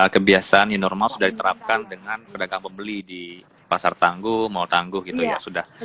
kebiasaan di normal sudah diterapkan dengan perdagang pembeli di pasar tangguh mal tangguh